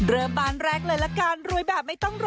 เริ่มบ้านแรกเลยละกัน